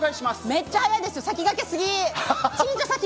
めっちゃ早いです！